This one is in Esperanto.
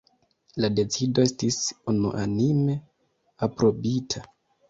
La decido estis unuanime aprobita.